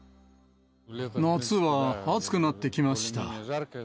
夏は暑くなってきました。